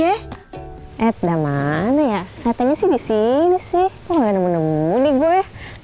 eh udah mana ya katanya sih di sini sih kalau nggak nemu nemu nih gue